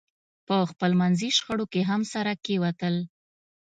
په خپلمنځي شخړو کې هم سره کېوتل.